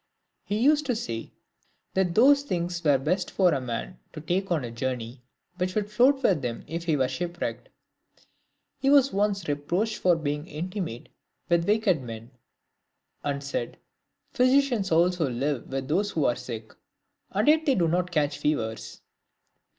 He used to say, " That those things were the best for a man to take on a journey, which would float with him if he were shipwrecked." He was once reproached for being intimate with wicked men, and said, " Physicians also live with those who are sick ; and yet they do not catch fevers."